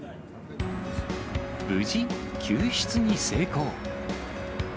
無事、救出に成功。